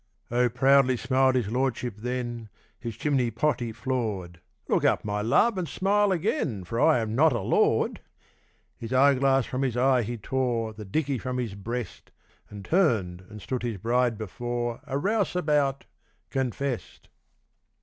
O proudly smiled his lordship then His chimney pot he floor'd 'Look up, my love, and smile again, For I am not a lord!' His eye glass from his eye he tore, The dickey from his breast, And turned and stood his bride before A rouseabout confess'd!